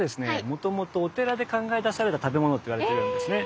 もともとお寺で考え出された食べ物といわれているんですね。